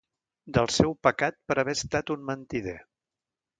Del seu pecat per haver estat un mentider.